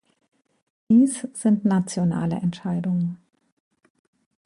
Dies sind nationale Entscheidungen.